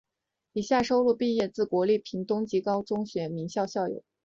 以下收录毕业自国立屏东高级中学之著名校友。